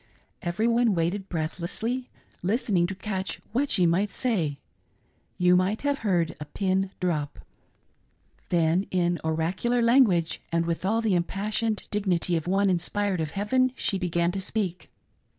Every one waited breathlessly, listening to catch what she might say ;— you might have heard a pin drop. Then in oracular language and with all the impassioned dignity of one inspired of heaven, she began to speak.